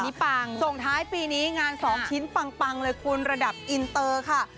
ปังส่งท้ายปีนี้งานสองชิ้นปังเลยคุณระดับอินเตอร์ค่ะ